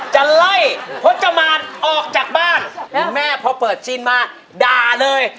จะไล่พจมานออกจากบ้านคุณแม่พอเปิดซีนมาด่าเลย